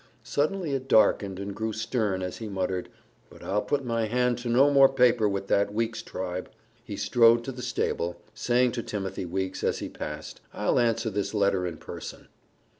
Suddenly it darkened and grew stern as he muttered, "But I'll put my hand to no more paper with that Weeks tribe." He strode to the stable, saying to Timothy Weeks, as he passed, "I'll answer this letter in person."